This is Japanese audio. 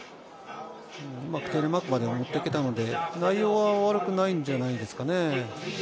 うまくテレマークまで持っていけたので、内容は悪くないんじゃないですかね。